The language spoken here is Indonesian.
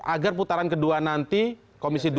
agar putaran kedua nanti komisi dua